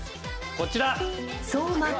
こちら！